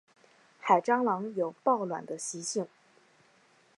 海蟑螂有抱卵的习性。